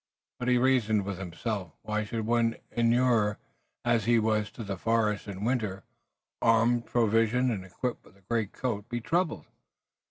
But he reasoned with himself. Why should one inured as he was to the forest and winter, armed, provisioned and equipped with the greatcoat, be troubled?